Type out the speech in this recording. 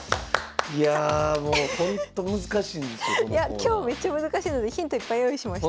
今日めっちゃ難しいのでヒントいっぱい用意しました。